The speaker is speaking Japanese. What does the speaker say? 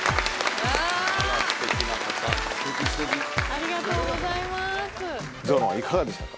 ありがとうございます。